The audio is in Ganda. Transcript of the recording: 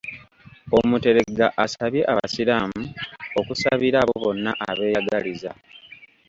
Omuteregga asabye abasiraamu okusabira abo bonna abeeyagaliza